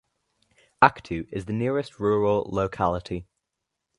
Aktau is the nearest rural locality.